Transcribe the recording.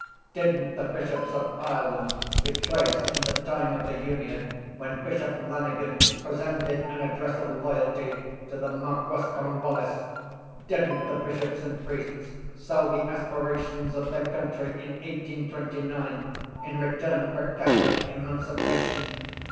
—Didn’t the bishops of Ireland betray us in the time of the union when Bishop Lanigan presented an address of loyalty to the Marquess Cornwallis? Didn’t the bishops and priests sell the aspirations of their country in 1829 in return for catholic emancipation?